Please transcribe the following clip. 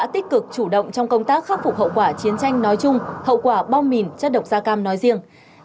tích cực chủ động trong công tác khắc phục hậu quả chiến tranh nói chung hậu quả bom mìn chất độc da cam nói riêng